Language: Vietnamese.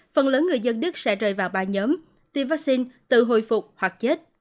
phần lớn người dân đức sẽ rơi vào ba nhóm tiêm vaccine tự hồi phục hoặc chết